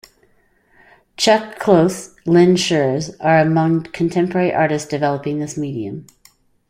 Chuck Close, Lynn Sures are among contemporary artist developing this medium.